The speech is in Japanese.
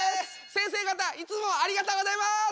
せんせい方いつもありがとうございます！